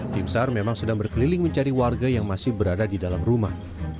tim sar memang sedang berkeliling mencari warga yang masih berada di dalam rumah